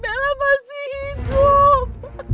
bella masih hidup